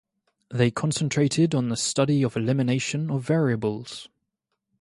They concentrated on the study of elimination of variables.